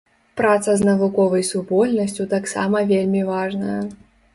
Праца з навуковай супольнасцю таксама вельмі важная.